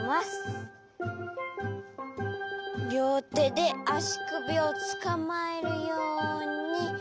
りょうてであしくびをつかまえるように。